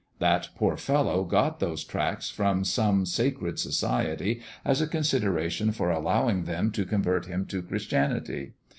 That poor fellow got those tracts from some sacred society as a consideration for allowing them to convert him to Christianity.